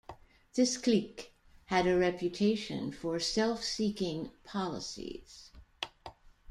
This clique had a reputation for self-seeking policies.